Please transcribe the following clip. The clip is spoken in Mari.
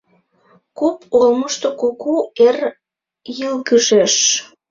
Куп олмышто кугу ер йылгыжеш.